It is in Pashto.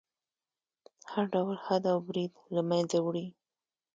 هر ډول حد او برید له منځه وړي.